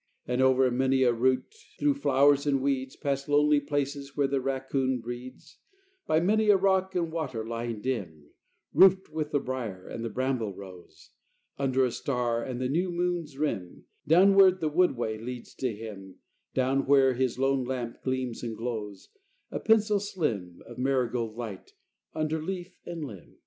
And over many a root, through flowers and weeds, Past lonely places where the raccoon breeds, By many a rock and water lying dim, Roofed with the brier and the bramble rose, Under a star and the new moon's rim, Downward the wood way leads to him, Down where his lone lamp gleams and glows, A pencil slim Of marigold light under leaf and limb.